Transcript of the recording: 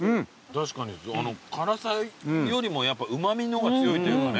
確かに辛さよりもうま味の方が強いというかね。